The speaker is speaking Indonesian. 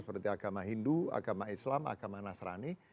seperti agama hindu agama islam agama nasrani